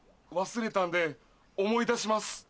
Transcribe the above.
忘れたんで思い出します。